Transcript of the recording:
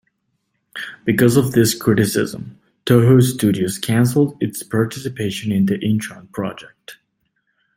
Because of this criticism, Toho Studios canceled its participation in the "Inchon" project.